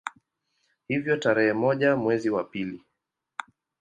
Hivyo tarehe moja mwezi wa pili